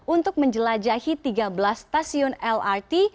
untuk menjelajahi tiga belas stasiun lrt